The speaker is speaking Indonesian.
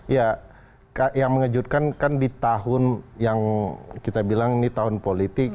ya yang mengejutkan kan di tahun yang kita bilang ini tahun politik